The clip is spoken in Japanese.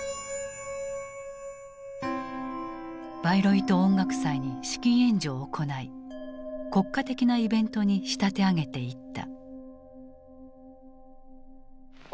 バイロイト音楽祭に資金援助を行い国家的なイベントに仕立て上げていった。